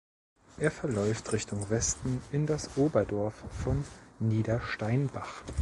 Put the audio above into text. Er verläuft Richtung Westen in das Oberdorf von Niedersteinbach.